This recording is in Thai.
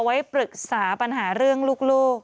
ไว้ปรึกษาปัญหาเรื่องลูก